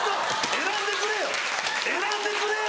選んでくれよ！